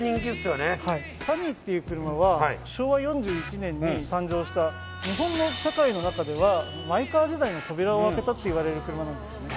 はいサニーっていう車は昭和４１年に誕生した日本の社会の中ではマイカー時代の扉を開けたっていわれる車なんですよね